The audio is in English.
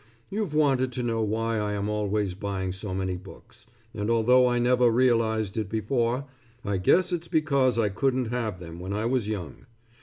You've wanted to know why I am always buying so many books, and although I never realized it before, I guess it's because I couldn't have them when I was young.